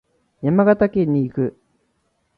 山形県に行く。